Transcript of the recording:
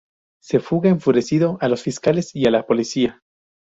Su fuga enfureció a los fiscales y a la policía.